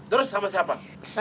terus sama siapa